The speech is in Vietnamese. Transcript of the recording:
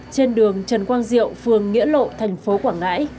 trên đường trần quang diệu phương nghĩa lộ tp quảng ngãi